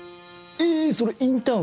えそれインターン